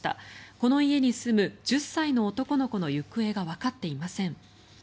この家に住む１０歳の男の子の行方がわかっていません。